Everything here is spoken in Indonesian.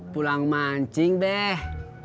pulang mancing deh